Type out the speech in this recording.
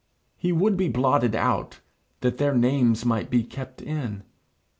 He would be blotted out, that their names might be kept in.